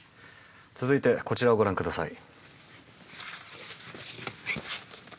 続いてこちらをご覧下さい。